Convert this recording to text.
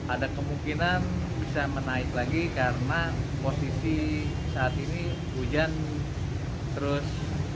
ada kemungkinan bisa menaik lagi karena posisi saat ini hujan terus